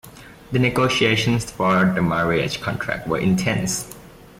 The negotiations for the marriage contract were intense.